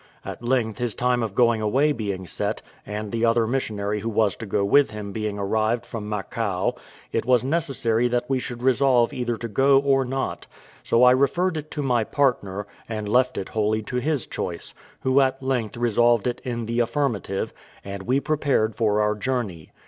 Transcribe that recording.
At length his time of going away being set, and the other missionary who was to go with him being arrived from Macao, it was necessary that we should resolve either to go or not; so I referred it to my partner, and left it wholly to his choice, who at length resolved it in the affirmative, and we prepared for our journey.